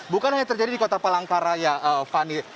bukan hanya terjadi di kota palangkaraya fani